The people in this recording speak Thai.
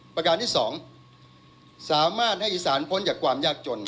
ประการที่๒สามารถให้อีสานพ้นจากความยากจน